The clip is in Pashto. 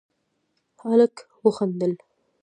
هلک وخندل: